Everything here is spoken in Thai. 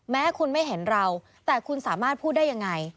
แม้คุณไม่เห็นเราแต่คุณสามารถพูดได้ยังไง